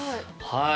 はい。